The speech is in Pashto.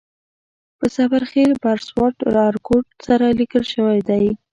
په زبر خېل بر سوات ارکوټ سره لیکل شوی دی.